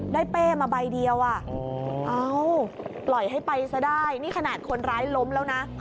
เป้มาใบเดียวอ่ะเอ้าปล่อยให้ไปซะได้นี่ขนาดคนร้ายล้มแล้วนะ